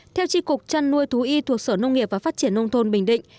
theo tri cục trăn nuôi thú y thuộc sở nông nghiệp và phát triển nông thôn bình định